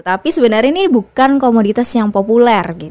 tapi sebenarnya ini bukan komoditas yang populer